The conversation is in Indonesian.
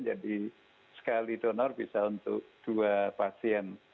jadi sekali donor bisa untuk dua pasien